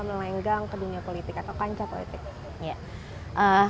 melenggang ke dunia politik atau kancah politik